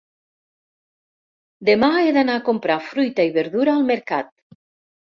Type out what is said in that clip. Demà he d'anar a comprar fruita i verdura al mercat.